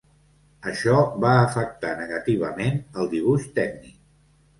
Això va afectar negativament el dibuix tècnic.